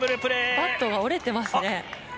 バットが折れてますね。